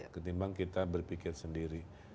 ketimbang kita berpikir sendiri